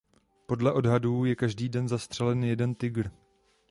Podle odhadů je každý den zastřelen jeden tygr.